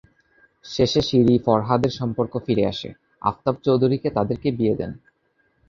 শেষে শিরি-ফরহাদের সম্পর্ক ফিরে আসে, আফতাব চৌধুরীকে তাদের কে বিয়ে দেন।